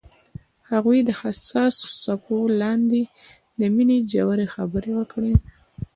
هغوی د حساس څپو لاندې د مینې ژورې خبرې وکړې.